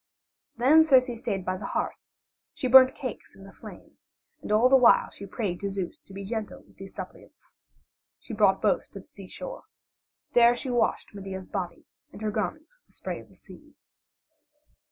Then Circe stayed by the hearth; she burnt cakes in the flame, and all the while she prayed to Zeus to be gentle with these suppliants. She brought both to the seashore. There she washed Medea's body and her garments with the spray of the sea.